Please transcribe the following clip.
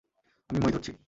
আমি মই ধরছি।